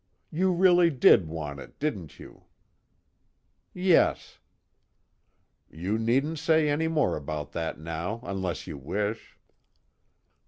You really did want it, didn't you?" "Yes." "You needn't say any more about that now unless you wish."